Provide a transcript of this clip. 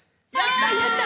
やった！